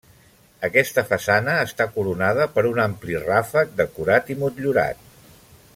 Aquesta façana està coronada per un ampli ràfec decorat i motllurat.